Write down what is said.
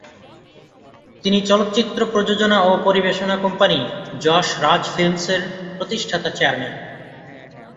তিনি চলচ্চিত্র প্রযোজনা ও পরিবেশনা কোম্পানি যশ রাজ ফিল্মসের প্রতিষ্ঠাতা চেয়ারম্যান।